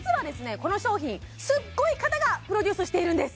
この商品すっごい方がプロデュースしているんです